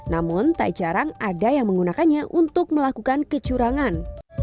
namun tak jarang ada yang menggunakannya untuk melakukan kecurangan